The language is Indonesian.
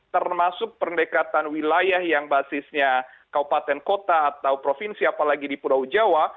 termasuk pendekatan wilayah yang basisnya kabupaten kota atau provinsi apalagi di pulau jawa